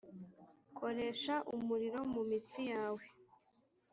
koresha umuriro mumitsi yawe.